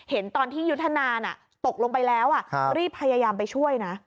เห็นตอนที่ยุทธนาตกลงไปแล้วรีบพยายามไปช่วยนะ